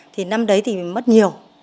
thì năm đấy thì mất nhiều